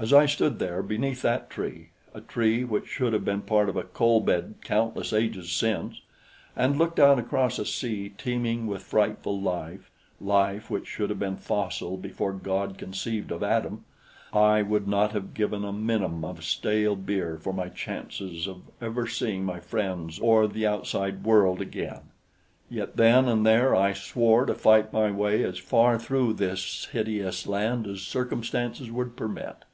As I stood there beneath that tree a tree which should have been part of a coal bed countless ages since and looked out across a sea teeming with frightful life life which should have been fossil before God conceived of Adam I would not have given a minim of stale beer for my chances of ever seeing my friends or the outside world again; yet then and there I swore to fight my way as far through this hideous land as circumstances would permit.